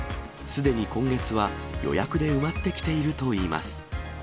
すでに今月は予約で埋まってきているといいます。